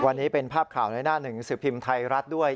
วันนี้เป็นภาพข่าวในหน้าหนึ่งสิบพิมพ์ไทยรัฐด้วย